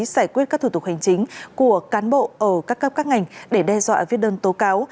giải quyết các thủ tục hành chính của cán bộ ở các cấp các ngành để đe dọa viết đơn tố cáo